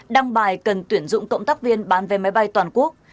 đăng bài cần tuyển dụng cộng tác viên bán vé máy bay toàn quốc